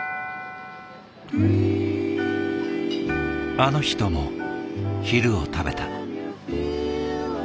あの人も昼を食べた。